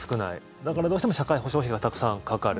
だから、どうしても社会保障費がたくさんかかる。